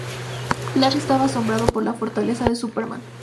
Black estaba asombrado por la fortaleza de Superman.